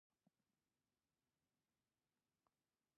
د ګمرکونو عاید څومره دی؟